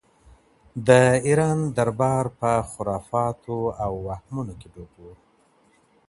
د ایران دربار په خرافاتو او وهمونو کې ډوب و.